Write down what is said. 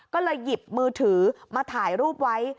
ก็เลยหยิบมือถือมาถ่ายรูปไว้